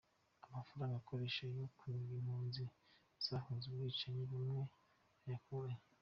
Amafaranga ukoresha yo kuniga impunzi zahunze ubwicanyi bwawe uyakurahe?